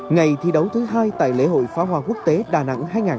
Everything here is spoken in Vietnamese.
ngày thi đấu thứ hai tại lễ hội pháo hoa quốc tế đà nẵng